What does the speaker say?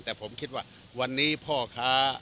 แต่ผมคิดว่าวันนี้พ่อค้า